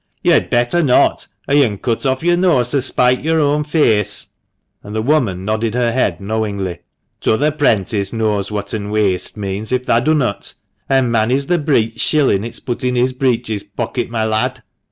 "Yo'd better not, or yo'n cut off yo'r nose to spite yo'r own feace;" and the woman nodded her head knowingly. "T'other 'prentice knows whatn weaste means, if thah dunnot ; an1 manny's th' breet shillin' it's put in his breeches pocket, my lad."